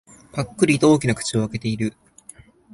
ぱっくりと大きな口を開けている。